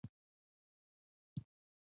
ترموز د میلمستیا مهم وسیله ده.